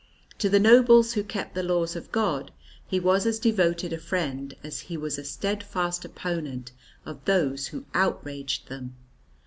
To the nobles who kept the laws of God he was as devoted a friend as he was a steadfast opponent of those who outraged them.